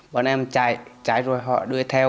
bọn em chạy rồi họ đuổi theo